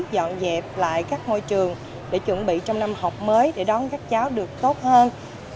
dọn dẹp lại các ngôi trường để chuẩn bị trong năm học mới để đón các cháu được tốt hơn